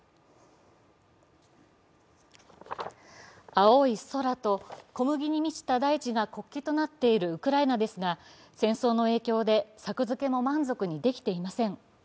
青い空と小麦に満ちた大地が国旗となっているウクライナですが戦争の影響で作付けも満足にできていません。